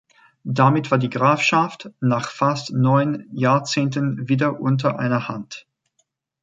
Damit war die Grafschaft nach fast neun Jahrzehnten wieder unter einer Hand.